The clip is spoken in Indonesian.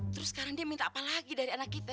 terus sekarang dia minta apa lagi dari anak kita